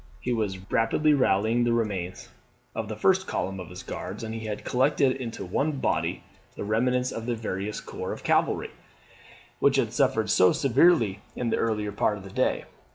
He was rapidly rallying the remains of the first column of his Guards, and he had collected into one body the remnants of the various corps of cavalry, which had suffered so severely in the earlier part of the day.